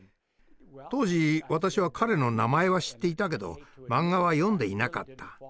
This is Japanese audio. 当時私は彼の名前は知っていたけどマンガは読んでいなかった。